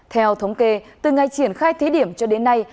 theo thống kê từ ngày triển khai thí điểm cho đến nay